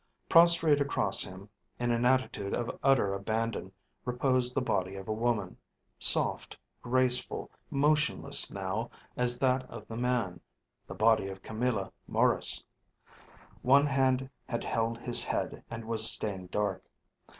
Prostrate across him, in an attitude of utter abandon, reposed the body of a woman, soft, graceful, motionless now as that of the man: the body of Camilla Maurice. One hand had held his head and was stained dark.